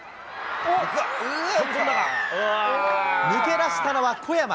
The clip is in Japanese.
抜け出したのは小山。